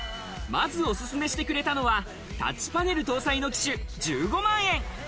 まず、おすすめしてくれたのはタッチパネル搭載の機種１５万円。